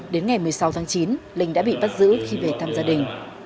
đến ngày một mươi sáu tháng chín linh đã bị bắt giữ khi về thăm gia đình